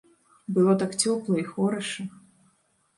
Было так цёпла і хораша.